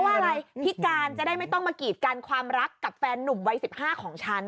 ว่าอะไรพิการจะได้ไม่ต้องมากีดกันความรักกับแฟนนุ่มวัย๑๕ของฉัน